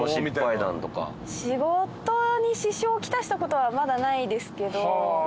仕事に支障来したことはまだないですけど。